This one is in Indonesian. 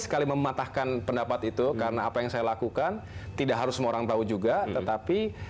sekali mematahkan pendapat itu karena apa yang saya lakukan tidak harus semua orang tahu juga tetapi